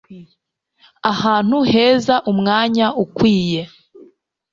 ahantu heza, umwanya ukwiye